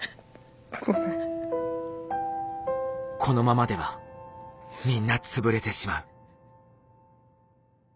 このままではみんな潰れてしまう。